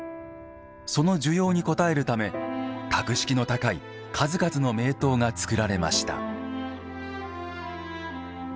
その需要に応えるため格式の高い数々の名刀が作られました。